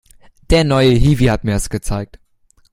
Der neue Hiwi hat mir das gezeigt.